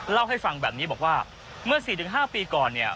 เล่าให้ฟังแบบนี้บอกว่าเมื่อ๔๕ปีก่อนเนี่ย